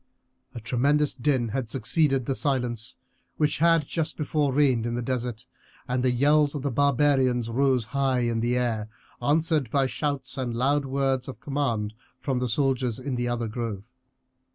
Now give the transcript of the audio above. A tremendous din had succeeded the silence which had just before reigned in the desert, and the yells of the barbarians rose high in the air, answered by shouts and loud words of command from the soldiers in the other grove.